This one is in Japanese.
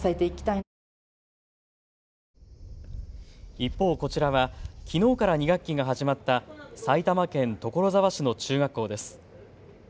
一方、こちらはきのうから２学期が始まった埼玉県所沢市の中学校です。